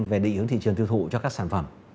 về định hướng thị trường tiêu thụ cho các sản phẩm